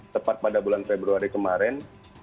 tepat pada bulan februari kemarin